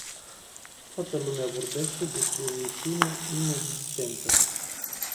Toată lumea vorbește despre o misiune inexistentă.